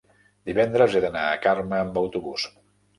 divendres he d'anar a Carme amb autobús.